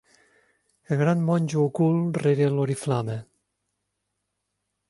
El gran monjo ocult rere l'oriflama.